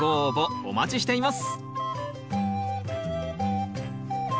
お待ちしています